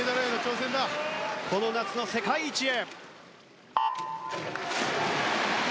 この夏の世界一へ！